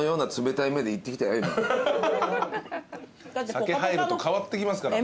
酒入ると変わってきますから。